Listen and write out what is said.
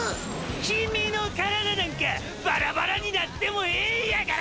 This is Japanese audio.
キミの体なんかバラバラになってもエエんやから！！